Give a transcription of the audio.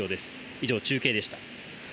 以上、中継でした。